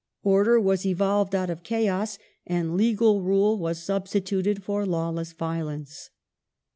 Order was evolved out of chaos and legal rule was substituted for lawless violence.